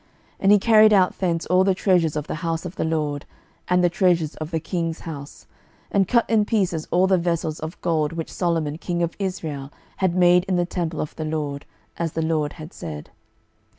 12:024:013 And he carried out thence all the treasures of the house of the LORD, and the treasures of the king's house, and cut in pieces all the vessels of gold which Solomon king of Israel had made in the temple of the LORD, as the LORD had said.